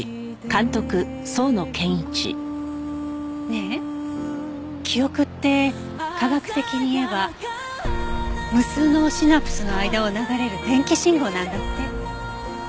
ねえ記憶って科学的に言えば無数のシナプスの間を流れる電気信号なんだって。